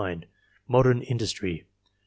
Modern industry .